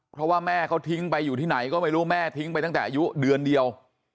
เพราะว่าแม่เขาทิ้งไปอยู่ที่ไหนก็ไม่รู้แม่ทิ้งไปตั้งแต่อายุเดือนเดียว